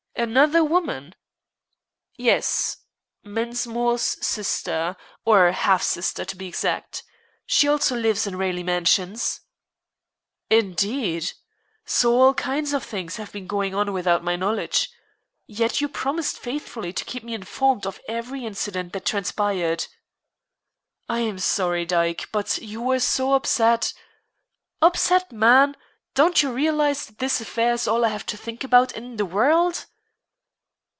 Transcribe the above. "Another woman?" "Yes; Mensmore's sister, or half sister, to be exact. She also lives in Raleigh Mansions." "Indeed. So all kinds of things have been going on without my knowledge. Yet you promised faithfully to keep me informed of every incident that transpired." "I am sorry, Dyke; but you were so upset " "Upset, man. Don't you realize that this affair is all I have to think about in the world?"